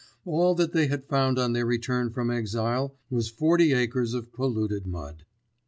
All that they had found on their return from exile was forty acres of polluted mud.